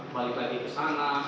balik lagi ke sana